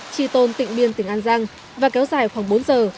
tri tôn tỉnh biên tỉnh an giang và kéo dài khoảng bốn giờ